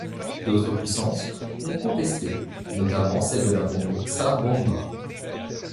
D'autres puissances ont contesté, notamment celle de la bombe Tsar Bomba.